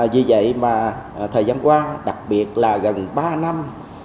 vì vậy mà thời gian qua đặc biệt là gần ba năm